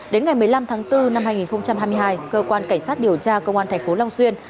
đến ngày một mươi năm tháng bốn năm hai nghìn hai mươi hai cơ quan cảnh sát điều tra công an thành phố long xuyên